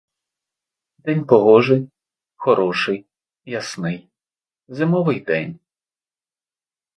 День погожий, хороший, ясний, зимовий день.